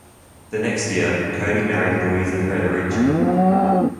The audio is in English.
The next year, Cody married Louisa Frederici.